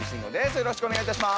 よろしくお願いします。